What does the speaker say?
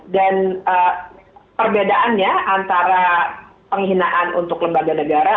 dan perbedaannya antara penghinaan untuk lembaga negara